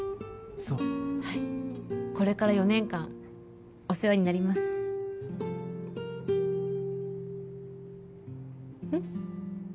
そうはいこれから４年間お世話になりますうん？